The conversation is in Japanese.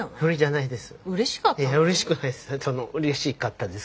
いやうれしくないです。